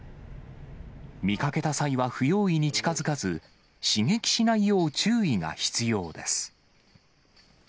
見かけた際は不用意に近づかず、刺激しないよう注意が必要です。